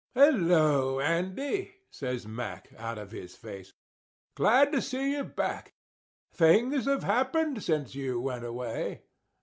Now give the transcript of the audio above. "Hello, Andy," says Mack, out of his face. "Glad to see you back. Things have happened since you went away."